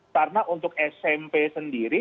karena untuk smp sendiri